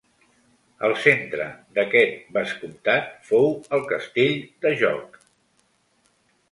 El centre d'aquest vescomtat fou el castell de Jóc.